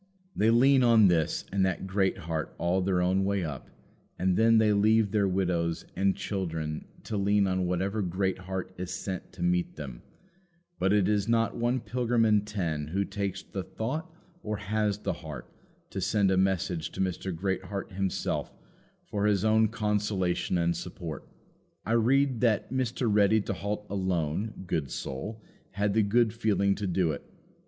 They lean on this and that Greatheart all their own way up, and then they leave their widows and children to lean on whatever Greatheart is sent to meet them; but it is not one pilgrim in ten who takes the thought or has the heart to send a message to Mr. Greatheart himself for his own consolation and support. I read that Mr. Ready to halt alone, good soul, had the good feeling to do it.